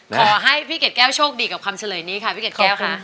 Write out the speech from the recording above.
ขอให้พี่เกดแก้วโชคดีกับคำเฉลยนี้ค่ะพี่เกดแก้วค่ะ